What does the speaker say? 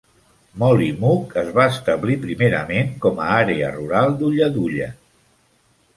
Mollymook es va establir primerament com a àrea rural d'Ulladulla.